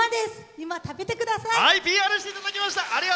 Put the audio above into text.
今、食べてください！